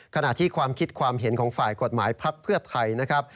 ขณะที่ความคิดความเห็นของฝ่ายกฎหมายพักเพื่อไทยนะครับ